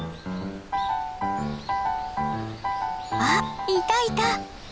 あっいたいた。